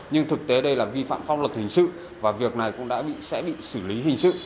nhưng thực tế đây là vi phạm pháp luật hình sự và việc này cũng sẽ bị xử lý hình sự